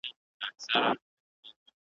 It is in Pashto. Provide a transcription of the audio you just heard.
اوس هغه جنډۍ له ویري دي سرټیټي .